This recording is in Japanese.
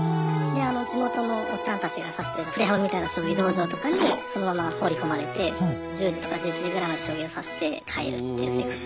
で地元のおっちゃんたちが指してるプレハブみたいな将棋道場とかにそのまま放り込まれて１０時とか１１時ぐらいまで将棋を指して帰るっていう生活。